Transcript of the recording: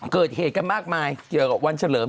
เกิดเหตุกันมากมายเกี่ยวกับวันเฉลิม